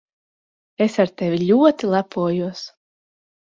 Es ar tevi ļoti lepojos!